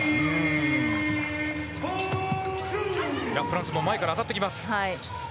フランスも前から当たってきます。